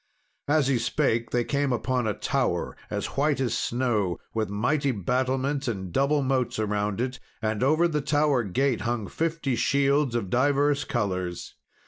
As he spake, they came upon a tower as white as snow, with mighty battlements, and double moats round it, and over the tower gate hung fifty shields of divers colours.